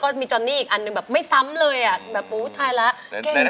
จะมีจอนนี่อีกอันหนึ่งแบบไม่ซ้ำเลยอ่ะแบบอู้ไทยแล้ว